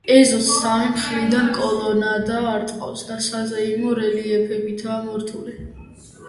ეზოს სამი მხრიდან კოლონადა არტყავს და საზეიმო რელიეფებითაა მორთული.